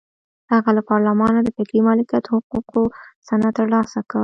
هغه له پارلمانه د فکري مالکیت حقوقو سند ترلاسه کړ.